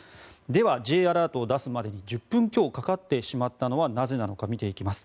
では、Ｊアラートを出すまでに１０分強かかってしまったのはなぜなのか見ていきます。